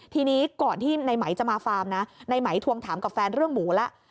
ทีนี้ก่อนที่ในไหมจะมาฟาร์มนะในไหมทวงถามกับแฟนเรื่องหมูแล้ว